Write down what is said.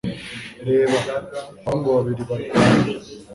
Reba! Abahungu babiri barwana